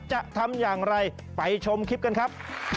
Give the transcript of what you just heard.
จะทำอย่างไรไปชมคลิปกันครับ